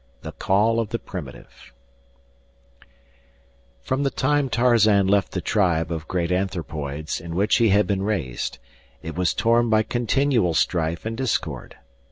The Call of the Primitive From the time Tarzan left the tribe of great anthropoids in which he had been raised, it was torn by continual strife and discord.